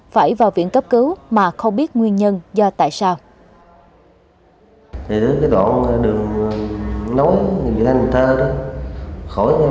phải vào viện cấp cứu mà không biết nguyên nhân do tại sao